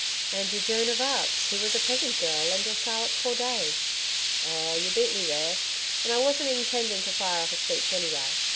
'And your Joan of Arc who was a peasant girl and your Charlotte Corday....' 'Oh, you beat me there.... And I wasn't intending to fire off a speech anyway....